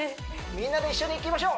みんなで一緒にいきましょう